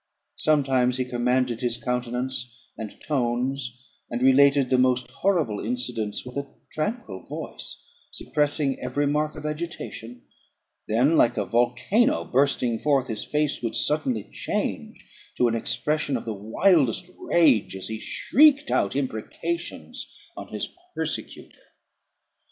Sometimes he commanded his countenance and tones, and related the most horrible incidents with a tranquil voice, suppressing every mark of agitation; then, like a volcano bursting forth, his face would suddenly change to an expression of the wildest rage, as he shrieked out imprecations on his persecutor.